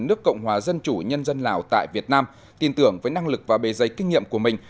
nước cộng hòa dân chủ nhân dân lào tại việt nam tin tưởng với năng lực và bề dây kinh nghiệm của mình